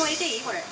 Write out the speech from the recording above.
これ。